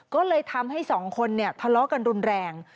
ก็เลยทำให้สองคนเนี่ยทะเลาะกันรุนแรง